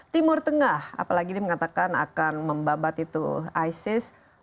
timur tengah apalagi dia mengatakan akan membabat itu isis